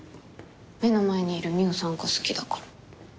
目の前にいる海音さんが好きだから。